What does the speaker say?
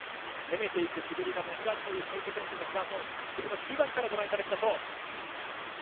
攻めていく滑りが持ち味という小池選手ですが滑りの中盤からご覧いただきましょう。